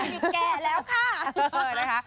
ยังแก่แล้วค่ะ